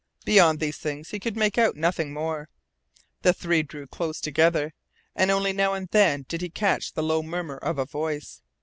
Beyond these things he could make out nothing more. The three drew close together, and only now and then did he catch the low murmur of a voice.